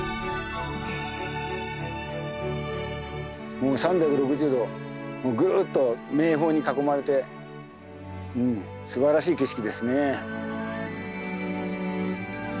もう３６０度ぐるっと名峰に囲まれてすばらしい景色ですね。